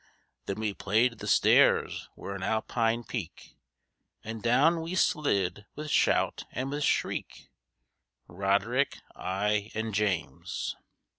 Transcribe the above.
Then we played the stairs were an Alpine peak, And down we slid with shout and with shriek,— Roderick, I and James.